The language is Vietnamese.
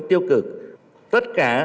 tiêu cực tất cả